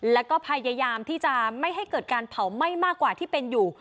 แล้วก็พยายามที่จะไม่ให้เกิดการเผาไหม้มากกว่าที่เป็นอยู่